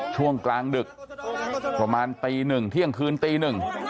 ช่วงกลางดึกประมาณตีหนึ่งเที่ยงคืนตีหนึ่ง